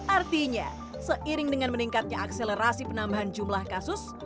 artinya seiring dengan meningkatnya akselerasi penambahan jumlah kasus